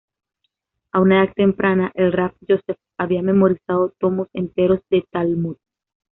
A una edad temprana, el Rab Yosef había memorizado tomos enteros del Talmud.